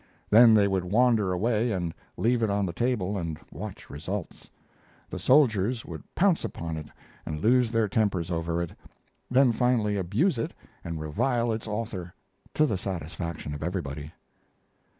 Then they would wander away and leave it on the table and watch results. The soldiers would pounce upon it and lose their tempers over it; then finally abuse it and revile its author, to the satisfaction of everybody.